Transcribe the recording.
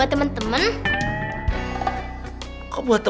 saya mau tembus dong ya